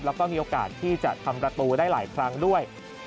แล้วก็มีโอกาสที่จะทำประตูได้หลายครั้งด้วย